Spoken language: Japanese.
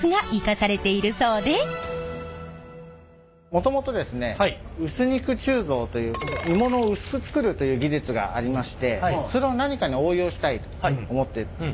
もともと薄肉鋳造という鋳物を薄く作るという技術がありましてそれを何かに応用したいと思ってえ。